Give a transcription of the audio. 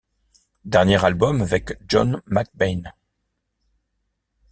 Dernier album avec John McBain.